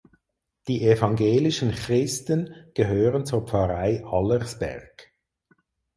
Die evangelischen Christen gehören zur Pfarrei Allersberg.